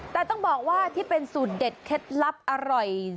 แต่ต้องบอกว่าที่เป็นสูตรเด็ดเคล็ดลับอร่อย